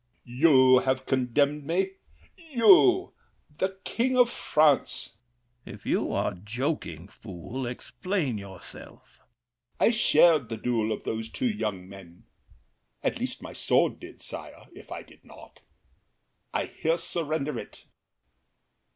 L'ANGELY. You have condemned me—you, the King of France! THE KING. If you are joking, fool, explain yourself. L'ANGELY. I shared the duel of those two young men— At least my sword did, sire, if I did not. I here surrender it.